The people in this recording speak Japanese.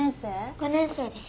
５年生です。